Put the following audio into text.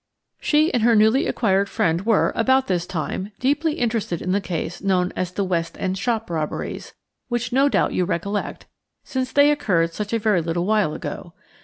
She and her newly acquired friend were, about this time, deeply interested in the case known as the "West End Shop Robberies," which no doubt you recollect, since they occurred such a very little while ago.